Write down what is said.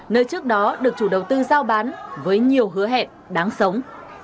nơi trước đó được chủ đầu tư giao bán với nhiều hứa hẹn đáng sống